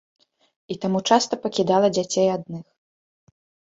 І таму часта пакідала дзяцей адных.